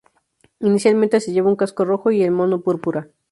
Inicialmente se lleva un casco rojo y el mono púrpura.